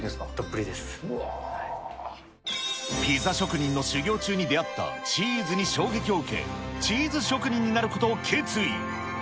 ピザ職人の修業中に出会ったチーズに衝撃を受け、チーズ職人になることを決意。